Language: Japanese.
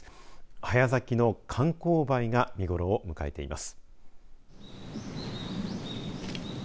早咲きの寒紅梅が見頃を迎えています。